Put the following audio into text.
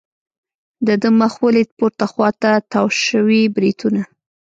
د ده مخ ولید، پورته خوا ته تاو شوي بریتونه.